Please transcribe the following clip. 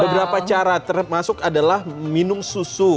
beberapa cara termasuk adalah minum susu